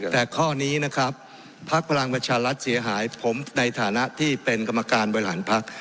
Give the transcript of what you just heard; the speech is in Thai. แต่ข้อนี้นะครับภักดิ์พลังประชารัฐเสียหายผมในฐานะที่เป็นกรรมการบริหารพัก